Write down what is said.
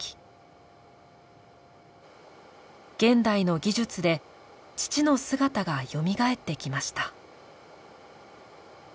現代の技術で父の姿がよみがえってきました。